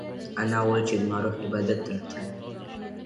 انا وویل چې زما روح عبادت ته اړتیا لري.